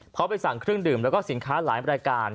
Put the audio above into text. เพราะไปสั่งเครื่องดื่มแล้วก็สินค้าหลายรายการ